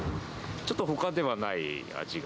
ちょっとほかではない味が。